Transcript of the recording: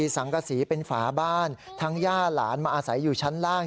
สังกษีเป็นฝาบ้านทั้งย่าหลานมาอาศัยอยู่ชั้นล่าง